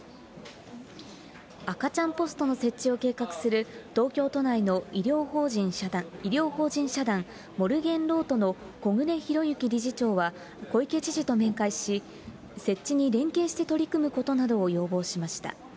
赤ちゃんポストの設置を計画する、東京都内の医療法人社団モルゲンロートの小暮裕之理事長は小池知事と面会し、設置に連携して取り組むことなどを要望しました。